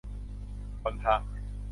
วันพระ